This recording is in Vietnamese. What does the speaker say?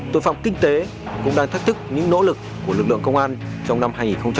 tội phạm kinh tế cũng đang thách thức những nỗ lực của lực lượng công an trong năm hai nghìn hai mươi ba